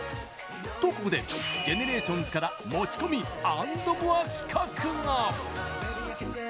と、ここでＧＥＮＥＲＡＴＩＯＮＳから持ち込みａｎｄｍｏｒｅ企画が。